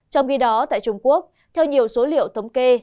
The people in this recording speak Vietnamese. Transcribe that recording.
trong khi đó tại trung quốc theo nhiều số liệu thống kê